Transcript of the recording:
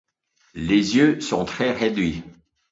Les yeux sont très réduits.